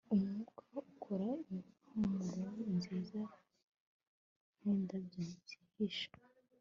Umwuka ukoraho impumuro nziza nkindabyo zihishe